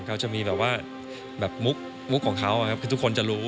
เขาจะมีแบบว่าแบบมุกของเขาคือทุกคนจะรู้